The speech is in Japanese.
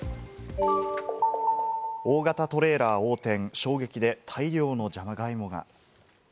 大型トレーラー横転、衝撃で大量のじゃがいもが。